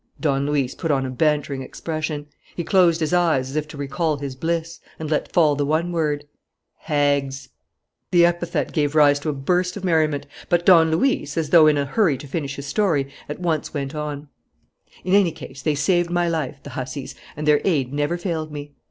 Don Luis put on a bantering expression. He closed his eyes, as if to recall his bliss, and let fall the one word: "Hags!" The epithet gave rise to a burst of merriment. But Don Luis, as though in a hurry to finish his story, at once went on: "In any case, they saved my life, the hussies, and their aid never failed me.